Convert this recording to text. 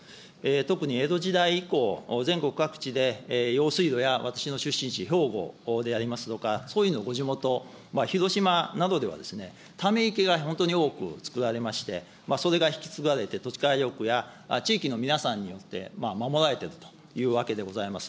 特に江戸時代以降、全国各地で用水路や、私の出身地、兵庫でありますとか、総理のご地元、広島などでは、ため池が本当に多くつくられまして、それが引き継がれて、、地域の皆さんによって守られているというわけでございます。